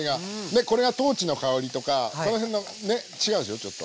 ねこれが豆の香りとかこの辺のね違うでしょうちょっと。